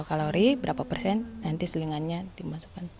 karbonya udah berapa kilo kalori berapa persen nanti selingannya dimasukkan